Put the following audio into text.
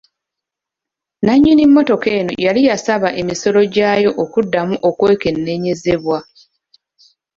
Nnannyini mmotoka eno yali yasaba emisolo gyayo okuddamu okwekenneenyezebwa.